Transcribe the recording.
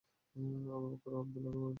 আবু বকর আব্দুল্লাহকে খুঁজো।